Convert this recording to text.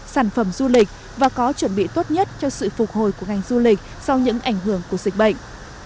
sản phẩm du lịch và có chuẩn bị tốt nhất cho sự phục hồi của ngành du lịch sau những ảnh hưởng của dịch bệnh